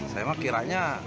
saya mah kiranya